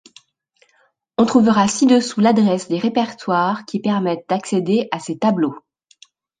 On trouvera ci-dessous l'adresse des répertoires qui permettent d'accéder à ces tableaux.